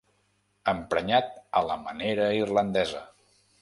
Emprenyat a la manera irlandesa.